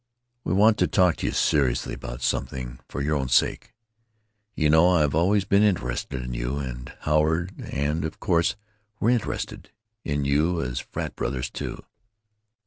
"We want to talk to you seriously about something—for your own sake. You know I've always been interested in you, and Howard, and course we're interested in you as frat brothers, too.